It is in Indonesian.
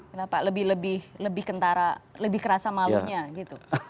kenapa lebih kentara lebih kerasa malunya gitu